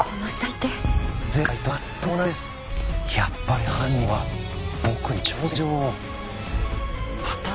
やっぱり犯人は僕に挑戦状を。